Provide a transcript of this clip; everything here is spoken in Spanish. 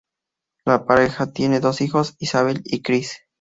La pareja tiene dos hijos, Isabel y Chris.